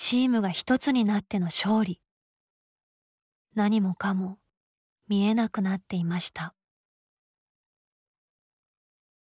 何もかも見えなくなっていました。